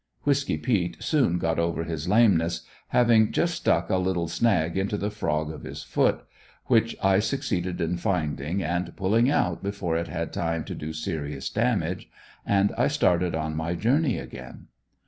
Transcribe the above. Whisky peet soon got over his lameness, having just stuck a little snag into the frog of his foot, which I succeeded in finding and pulling out before it had time to do serious damage, and I started on my journey again.